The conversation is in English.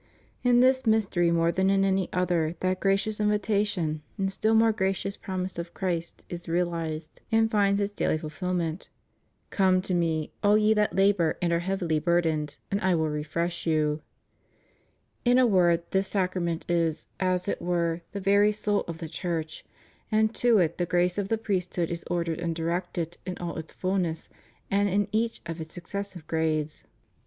In this mystery more than in any other that gracious invitation and still more gracious promise of Christ is realized and THE MOST HOLY EUCHARIST. 531 finds its daily fulfilment: Come to Me, all ye that labor and are heavily burdened, and I will refresh you} In a word this Sacrament is, as it were, the very soul of the Church; and to it the grace of the priesthood is ordered and directed in all its fulness and in each of its successive grades.